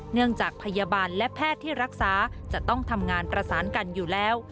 เนื่องจากพยาบาลและแพทย์ที่รักษาจะต้องทำงานประสานกันอยู่แล้ว